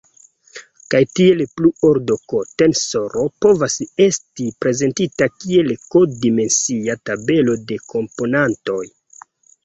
Kaj tiel plu: ordo-"k" tensoro povas esti prezentita kiel "k"-dimensia tabelo de komponantoj.